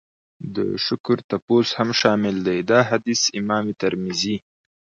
د شکر تپوس هم شامل دی. دا حديث امام ترمذي